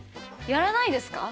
やらないです。